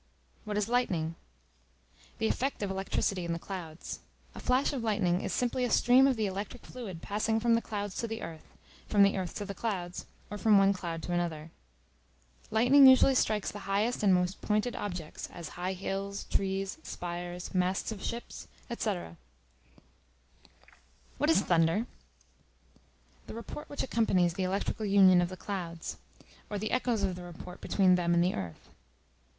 What is Lightning? The effect of electricity in the clouds. A flash of lightning is simply a stream of the electric fluid passing from the clouds to the earth, from the earth to the clouds, or from one cloud to another. Lightning usually strikes the highest and most pointed objects, as high hills, trees, spires, masts of ships, &c. What is Thunder? The report which accompanies the electrical union of the clouds: or the echoes of the report between them and the earth.